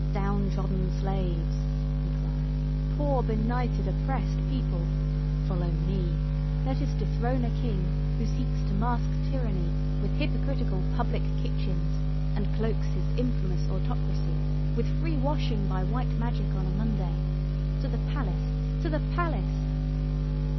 "Down trodden slaves!" he cried, "poor benighted, oppressed people! Follow me! Let us dethrone a king who seeks to mask tyranny with hypocritical public kitchens, and cloaks his infamous autocracy with free washing by white magic on a Monday! To the Palace, to the Palace!"